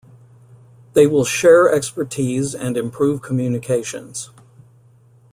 They will share expertise and improve communications.